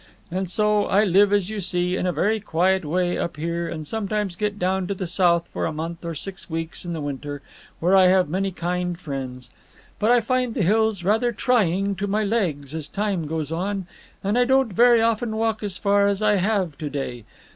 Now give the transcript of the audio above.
And so, I live, as you see, in a very quiet way up here, and sometimes get down to the South for a month or six weeks in the winter, where I have many kind friends. But I find the hills rather trying to my legs as time goes on, and I don't very often walk as far as I have to day.